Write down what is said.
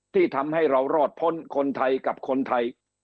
ที่ทำให้เรารอดพ้นคนไทยกับคนไทย